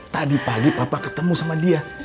tadi pagi papa ketemu sama dia